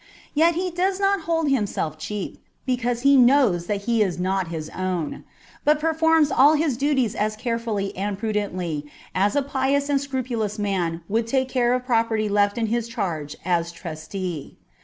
Yet he does not hold himself cheap, because he knows that he is not his own, but performs all his duties as carefully and prudently as a pious and scrupulous man would take care of property left in his charge as trustee.